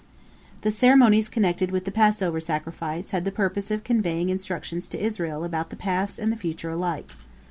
" The ceremonies connected with the Passover sacrifice had the purpose of conveying instruction to Israel about the past and the future alike.